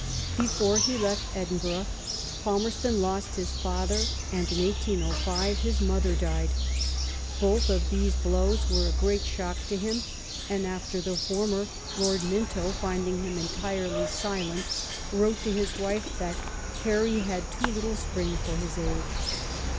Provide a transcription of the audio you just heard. Before he left Edinburgh, Palmerston lost his father, and in 1805 his mother died. Both of these blows were a great shock to him, and after the former. Lord Minto, finding him " entirely silent," wrote to his wife that* 'Harry had too little spring for his age."